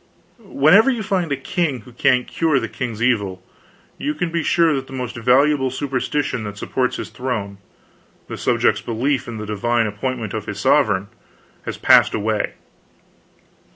Wherever you find a king who can't cure the king's evil you can be sure that the most valuable superstition that supports his throne the subject's belief in the divine appointment of his sovereign has passed away.